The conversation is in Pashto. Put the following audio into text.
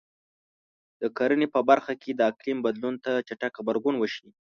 د کرنې په برخه کې د اقلیم بدلون ته چټک غبرګون وشي.